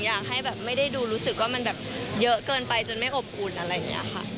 อยากให้แบบไม่ได้ดูรู้สึกว่ามันแบบเยอะเกินไปจนไม่อบอุ่นอะไรอย่างนี้ค่ะ